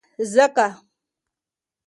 ځکه